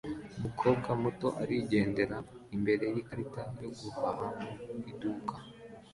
Umukobwa muto arigendera imbere yikarita yo guhaha mu iduka